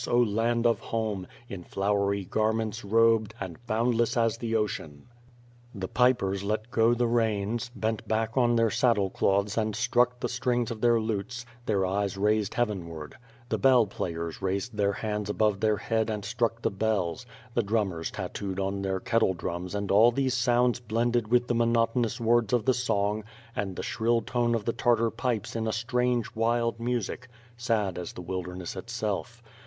Oh land of home ! In flowery eamients robed, And boundless as the ocean ! The pipers let go the reins, bent back on their saddle cloths and struck the strings of their lutes, their eyes raised heavenward; the bell players raised their hands above their head and struck the bells; the drummers tatooed on their kettle drums and all these sounds blended with the monoton ous words of the song and the shrill tone of the Tartar pipes in a strange wild music, sad as the wilderness itself.